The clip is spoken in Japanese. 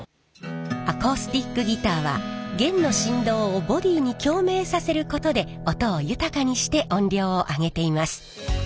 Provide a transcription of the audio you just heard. アコースティックギターは弦の振動をボディーに共鳴させることで音を豊かにして音量を上げています。